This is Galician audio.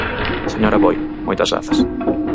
Señor Aboi, moitas grazas.